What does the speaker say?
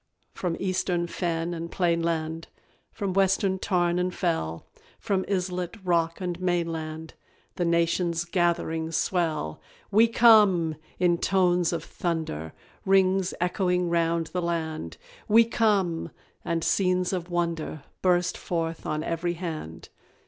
From Eastern fen and plainland, From Western tarn and fell, From islet, rock, and mainland The nation's gathering swell. "WE COME!" in tones of thunder, Rings echoing round the land; "We come!" and scenes of wonder Burst forth on every hand.